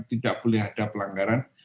tidak boleh ada pelanggaran